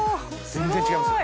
全然違いますよ